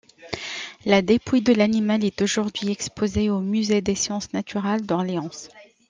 La dépouille de l’animal est aujourd'hui exposée au musée des sciences naturelles d’Orléans.